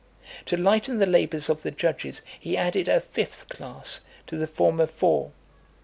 To lighten the labours of the judges, he added a fifth class to the former four.